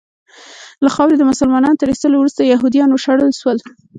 له خاورې د مسلمانانو تر ایستلو وروسته یهودیان وشړل سول.